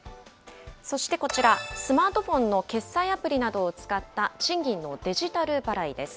そしてこちら、スマートフォンの決済アプリなどを使った、賃金のデジタル払いです。